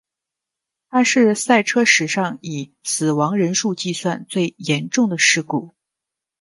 它是赛车史上以死亡人数计算最严重的事故。